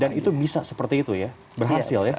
dan itu bisa seperti itu ya berhasil ya